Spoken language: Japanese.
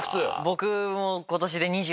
僕も。